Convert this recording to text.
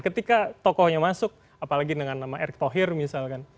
ketika tokohnya masuk apalagi dengan nama erick thohir misalkan